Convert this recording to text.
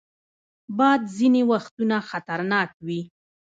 باد ځینې وختونه خطرناک وي